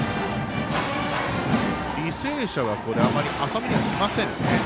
履正社はあまり浅めにはきませんね。